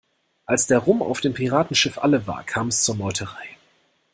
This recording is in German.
Als der Rum auf dem Piratenschiff alle war, kam es zur Meuterei.